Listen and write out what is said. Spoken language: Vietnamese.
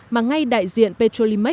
mà ngay đại diện petrolyne